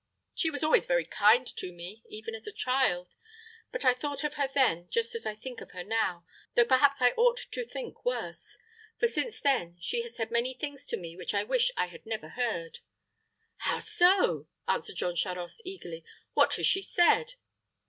She was always very kind to me, even as a child; but I thought of her then just as I think of her now, though perhaps I ought to think worse; for since then she has said many things to me which I wish I had never heard." "How so!" asked Jean Charost, eagerly. "What has she said?"